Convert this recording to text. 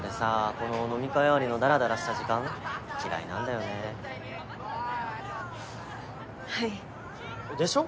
この飲み会終わりのだらだらした時間嫌いなんだよねはいでしょ？